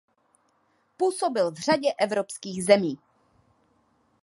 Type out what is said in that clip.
Působil v řadě evropských zemí.